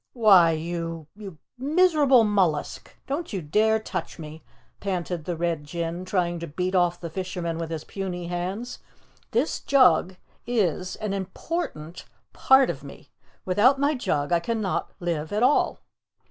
"Why, you you miserable mollusk don't you dare touch me!" panted the Red Jinn, trying to beat off the fisherman with his puny hands. "This jug is an important part of me. Without my jug I cannot live at all."